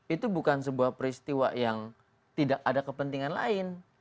itu bukan sebuah peristiwa yang tidak ada kepentingan lain